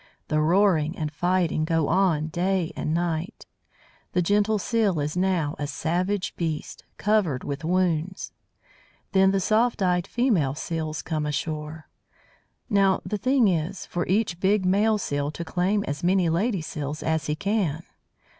The roaring and fighting go on day and night. The gentle Seal is now a savage beast, covered with wounds. Then the soft eyed female Seals come ashore. Now the thing is, for each big male Seal to claim as many lady Seals as he can.